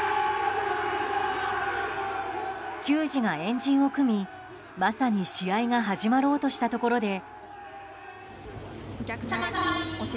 球児たちが円陣を組み、まさに試合が始まろうとしたところで。